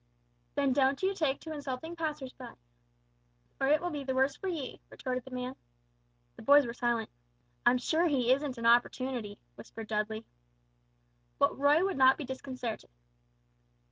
"Then don't you take to insulting passers by, or it will be the worse for ye!" retorted the man. The boys were silent. "I'm sure he isn't an opportunity," whispered Dudley. But Roy would not be disconcerted.